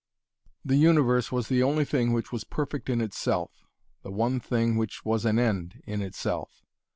The universe was the only thing which was perfect in itself, the one thing which was an end in itself.